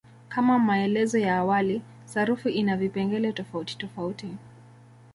Kama maelezo ya awali, sarufi ina vipengele tofautitofauti.